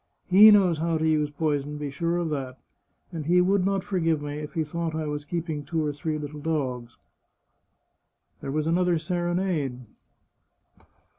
He knows how to use poison, be sure of that, and he would not forgive me if he thought I was keeping two or three little dogs." There was another serenade.